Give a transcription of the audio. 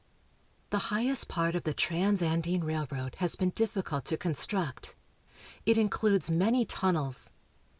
The highest part of the Transandine Railroad has been difficult to construct. It includes many tunnels.